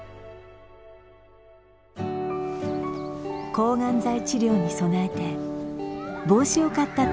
抗がん剤治療に備えて帽子を買った拓哉。